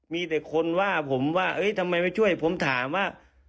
มีแต่คนว่าผมว่าทำไมไม่ช่วยผมถามว่า